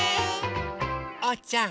おうちゃん。